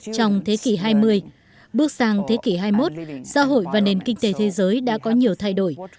trong thế kỷ hai mươi bước sang thế kỷ hai mươi một xã hội và nền kinh tế thế giới đã có nhiều thay đổi